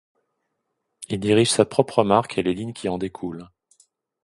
Il dirige sa propre marque et les lignes qui en découlent.